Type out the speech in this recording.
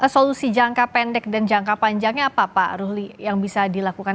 solusi jangka pendek dan jangka panjangnya apa pak ruhli yang bisa dilakukan